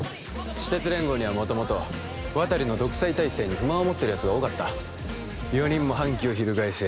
私鉄連合には元々渡利の独裁体制に不満を持ってる奴が多かった四人も反旗を翻しゃ